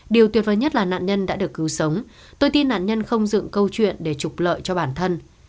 điều tuyệt vời nhất là nạn nhân đã được cứu sống tôi tin nạn nhân không dựng câu chuyện để trục lợi cho bản thân